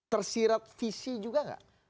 tersirat visi juga nggak